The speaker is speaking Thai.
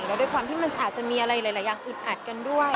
แล้วด้วยความที่มันอาจจะมีอะไรหลายอย่างอึดอัดกันด้วย